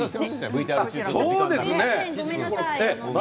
ＶＴＲ中。